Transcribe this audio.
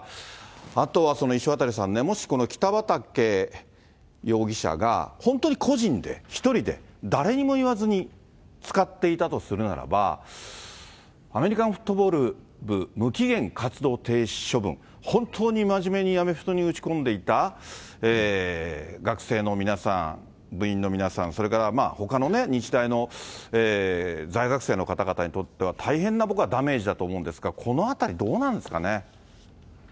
あとは石渡さんね、もしこの北畠容疑者が本当に個人で、一人で、誰にも言わずに使っていたとするならば、アメリカンフットボール部無期限活動停止処分、本当に真面目にアメフトに打ち込んでいた学生の皆さん、部員の皆さん、それからほかの日大の在学生の方々にとっては、大変な僕はダメージだと思うんですが、このあたりどうなんですかね。